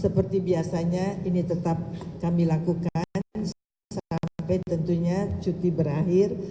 seperti biasanya ini tetap kami lakukan sampai tentunya cuti berakhir